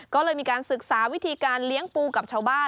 ก็เลยมีการศึกษาวิธีการเลี้ยงปูกับชาวบ้าน